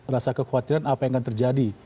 rasa kekhawatiran apa yang akan terjadi